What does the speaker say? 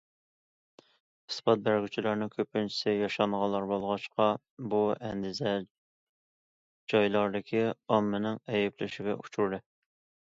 ئىسپات بەرگۈچىلەرنىڭ كۆپىنچىسى ياشانغانلار بولغاچقا، بۇ ئەندىزە جايلاردىكى ئاممىنىڭ ئەيىبلىشىگە ئۇچرىدى.